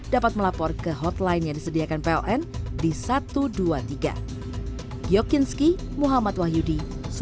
dapat melapor ke hotline yang disediakan pln di satu ratus dua puluh tiga